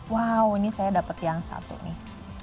wow ini saya dapat yang satu nih